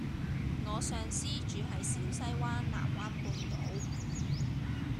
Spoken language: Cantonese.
我上司住喺小西灣藍灣半島